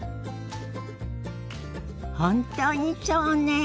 本当にそうねえ。